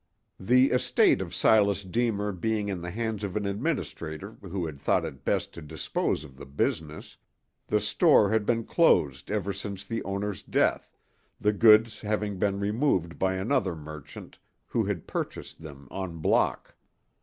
The estate of Silas Deemer being in the hands of an administrator who had thought it best to dispose of the "business" the store had been closed ever since the owner's death, the goods having been removed by another "merchant" who had purchased them en bloc.